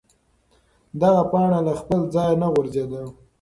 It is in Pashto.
دغه پاڼه له خپل ځایه نه غورځېده.